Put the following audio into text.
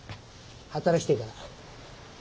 働きてえから。